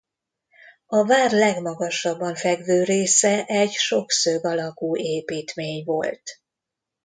A vár legmagasabban fekvő része egy sokszög alakú építmény volt.